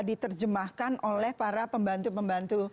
diterjemahkan oleh para pembantu pembantu